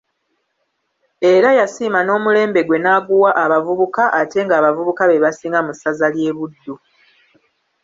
Era yasiima n'omulembe gwe n'aguwa abavubuka ate ng'abavubuka be basinga mu ssaza ly'e Buddu.